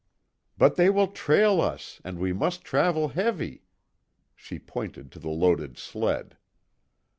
"But they will trail us and we must travel heavy," she pointed to the loaded sled.